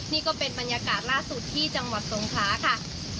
นี่ก็เป็นบรรยากาศล่าสุดที่จังหวัดสงคราค่ะ